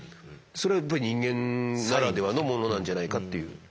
それはやっぱり人間ならではのものなんじゃないかっていう。